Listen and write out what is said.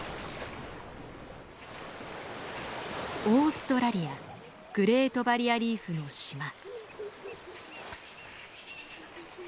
オーストラリアグレートバリアリーフの島。